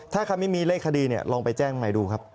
ถ้าเขาไม่มีเลขคดีเนี่ยลองไปแจ้งใหม่ดูครับ